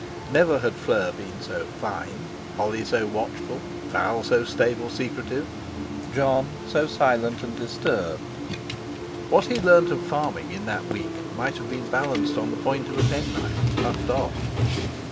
Never had Fleur been so "fine," Holly so watchful, Val so stable secretive, Jon so silent and disturbed. What he learned of farming in that week might have been balanced on the point of a penknife and puffed off.